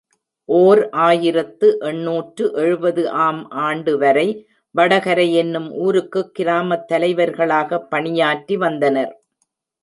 ஓர் ஆயிரத்து எண்ணூற்று எழுபது ஆம் ஆண்டுவரை, வடகரை என்னும் ஊருக்குக் கிராமத் தலைவர்களாகப் பணியாற்றி வந்தனர்.